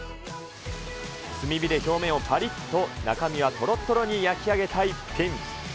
炭火で表面をぱりっと、中身はとろっとろに焼き上げた逸品。